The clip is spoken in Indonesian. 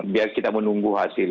biar kita menunggu hasil